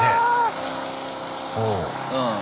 うん。